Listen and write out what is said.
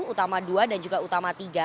utama dua dan juga utama tiga